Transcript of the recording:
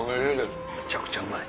めちゃくちゃうまい！